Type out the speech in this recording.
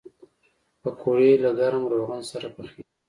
پکورې له ګرم روغن سره پخېږي